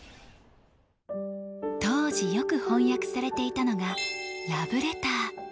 当時よく翻訳されていたのがラブレター。